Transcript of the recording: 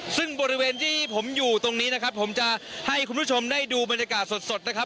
ซึ่งบริเวณที่ผมอยู่ตรงนี้นะครับผมจะให้คุณผู้ชมได้ดูบรรยากาศสดนะครับ